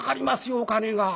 お金が。